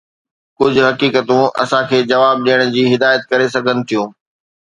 ڪجھ حقيقتون اسان کي جواب ڏيڻ جي هدايت ڪري سگھن ٿيون.